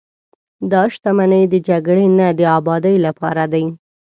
دا شتمنۍ د جګړې نه، د ابادۍ لپاره دي.